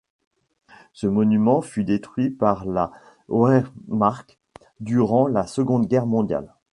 Ce monument fut détruit par la Wehrmacht durant la Seconde Guerre mondiale.